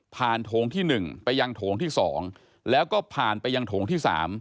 โถงที่๑ไปยังโถงที่๒แล้วก็ผ่านไปยังโถงที่๓